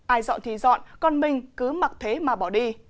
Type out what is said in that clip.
ai dọn thì dọn còn mình cứ mặc thế mà bỏ đi